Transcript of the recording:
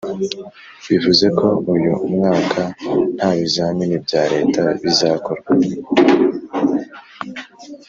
, bivuze ko uyu mwaka nta bizamini bya leta bizakorwa.